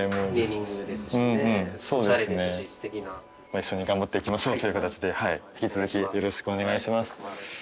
一緒に頑張っていきましょうという形で引き続きよろしくお願いします。